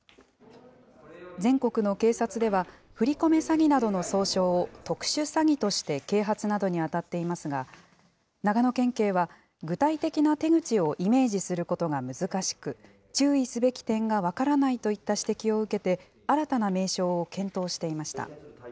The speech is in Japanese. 全国の警察では、振り込め詐欺などの総称を特殊詐欺として啓発などに当たっていますが、長野県警は具体的な手口をイメージすることが難しく、注意すべき点が分からないといった指摘を受けて、新たな名称を検討していました。